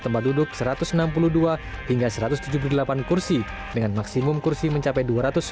tempat duduk satu ratus enam puluh dua hingga satu ratus tujuh puluh delapan kursi dengan maksimum kursi mencapai dua ratus enam puluh